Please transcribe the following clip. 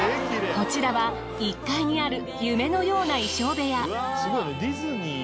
こちらは１階にある夢のような衣装部屋。